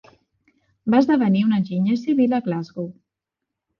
Va esdevenir un enginyer civil a Glasgow.